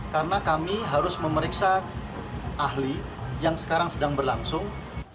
karena kami harus memeriksa ahli yang sekarang sedang berlangsung